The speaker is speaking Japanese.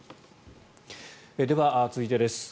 では、続いてです。